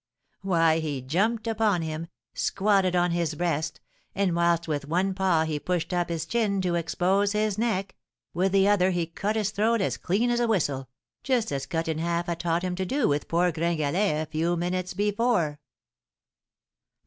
Why, he jumped upon him, squatted on his breast, and whilst with one paw he pushed up his chin to expose his neck, with the other he cut his throat as clean as a whistle, just as Cut in Half had taught him to do with poor Gringalet a few minutes before."